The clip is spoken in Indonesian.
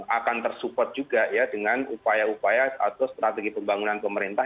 akan tersupport juga ya dengan upaya upaya atau strategi pembangunan pemerintah